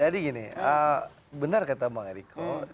jadi gini benar kata bang ericko